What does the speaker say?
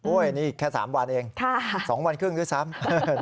อุ๊ยนี่แค่๓วันเอง๒วันครึ่งที่สำ